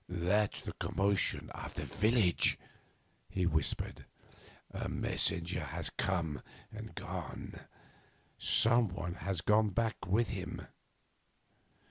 'That's the commotion in the village,' he whispered. 'A messenger has come and gone; some one has gone back with him.